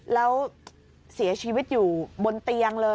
แล้วเสียชีวิตอยู่บนเตียงเลย